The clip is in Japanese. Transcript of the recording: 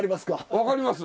分かります。